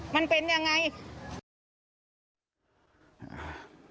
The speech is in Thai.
มันเป็นอย่างไร